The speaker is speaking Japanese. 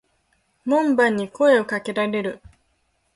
門番に声を掛けられる。